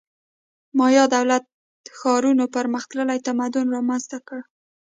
مایا دولت ښارونو پرمختللی تمدن رامنځته کړ